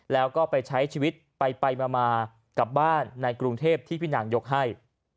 แล้วก็ไปใช้ชีวิตไปมากลับบ้านในกรุงเทพที่พี่นางยกให้